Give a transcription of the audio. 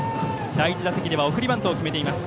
第１打席では送りバントを決めています。